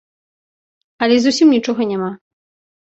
Але зусім нічога няма.